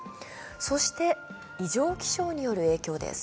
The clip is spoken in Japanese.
そして、異常気象による影響です。